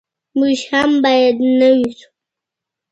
موږ هم باید نوي سو.